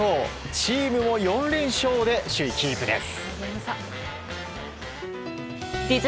チームも４連勝で首位キープです。